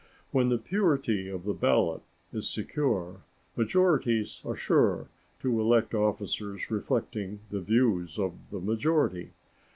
When the purity of the ballot is secure, majorities are sure to elect officers reflecting the views of the majority.